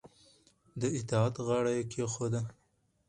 د اطاعت غاړه یې کېښوده